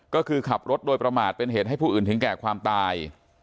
ก็คือขับรถโดยประมาทเป็นเหตุให้ผู้อื่นถึงแก่ความตาย